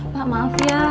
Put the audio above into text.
pak maaf ya